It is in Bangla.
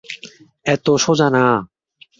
এতো সোজা না।